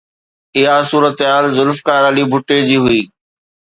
اها صورتحال ذوالفقار علي ڀٽي جي هئي.